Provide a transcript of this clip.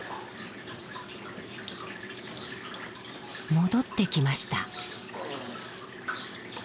戻ってきました。